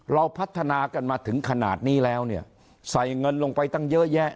เราพัฒนากันมาถึงขนาดนี้แล้วเนี่ยใส่เงินลงไปตั้งเยอะแยะ